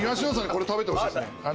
これ食べてほしいですね。